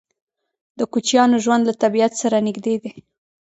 د کوچیانو ژوند له طبیعت سره نږدې دی.